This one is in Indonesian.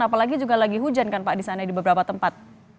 apalagi juga lagi hujan kan pak di sana di beberapa tempat